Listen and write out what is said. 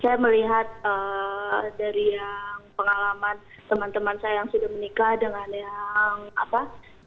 saya melihat dari yang pengalaman teman teman saya yang sudah menikah dengan yang apa